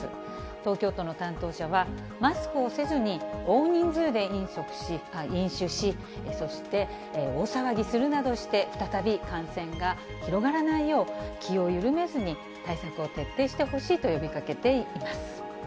東京都の担当者は、マスクをせずに、大人数で飲酒し、そして、大騒ぎするなどして、再び感染が広がらないよう、気を緩めずに、対策を徹底してほしいと呼びかけています。